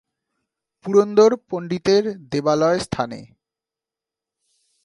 পুরন্দর পণ্ডিতের দেবালয় স্থানে।।